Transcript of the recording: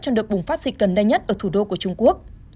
trong đợt bùng phát dịch gần đây nhất ở thủ đô của trung quốc